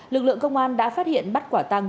lực lượng công an đã phát hiện bắt quả tăng